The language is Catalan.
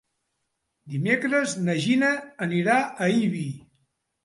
Dimecres na Gina anirà a Ibi.